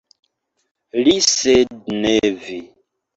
Li, sed ne vi!